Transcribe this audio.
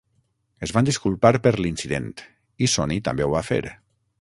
Es van disculpar per l'incident, i Sony també ho va fer.